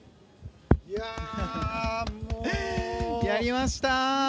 やりました。